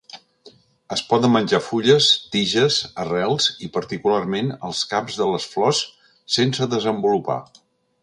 Es poden menjar fulles, tiges, arrels i, particularment, els caps de les flors sense desenvolupar.